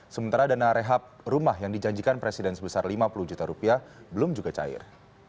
sementara dana rehab rumah yang dijanjikan presiden sebesar lima puluh juta rupiah belum juga cair